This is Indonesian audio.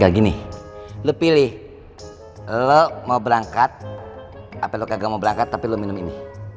ya gini lo pilih lo mau berangkat apa lo gagal mau berangkat tapi lo minum ini